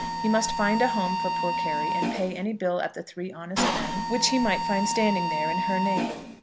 He must find a home for poor Carry, and pay any bill at the Three Honest Men which he might find standing there in her name.